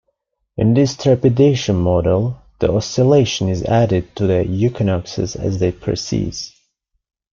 In this trepidation model, the oscillation is added to the equinoxes as they precess.